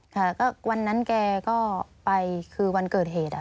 ค่ะก็วันนั้นแกก็ไปคือวันเกิดเหตุ